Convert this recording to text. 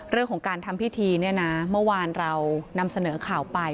เรื่องของการทำพิธีเนี่ยนะเมื่อวานเรานำเสนอข่าวไป